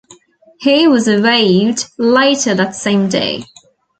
He was waived later that same day.